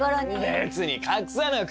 別に隠さなくても！